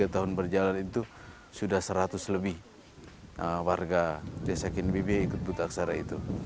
tiga tahun berjalan itu sudah seratus lebih warga desa kimbibe ikut buta aksara itu